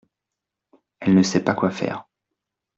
Elle ne sait pas quoi faire.